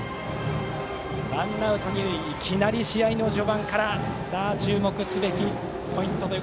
ワンアウト二塁いきなり試合序盤から注目すべきポイントです。